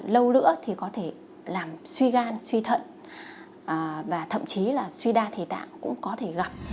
lâu nữa thì có thể làm suy gan suy thận và thậm chí là suy đa thể tạng cũng có thể gặp